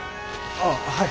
ああはい。